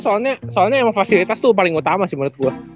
soalnya soalnya emang fasilitas tuh paling utama sih menurut gue